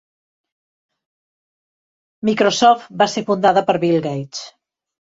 Microsoft va ser fundada per Bill Gates.